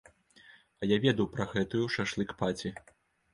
А я ведаў пра гэтую шашлык-паці.